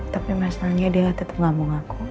tapi masalahnya dia tetap gak mau ngaku